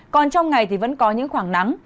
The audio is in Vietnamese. còn trong ngày thì vẫn có những khoảng nắng